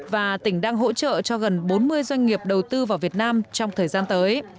và tỉnh đang hỗ trợ cho gần bốn mươi doanh nghiệp đầu tư vào việt nam trong thời gian tới